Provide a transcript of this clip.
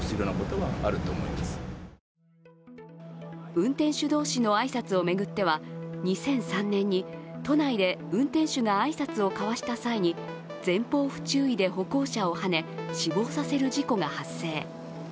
運転手同士の挨拶を巡っては２００３年に都内で運転手が挨拶を交わした際に前方不注意で歩行者をはね死亡させる事故が発生。